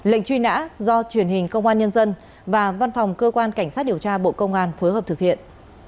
lệnh truy nã do truyền hình công an nhân dân và văn phòng cơ quan cảnh sát điều tra bộ công an phối hợp thực hiện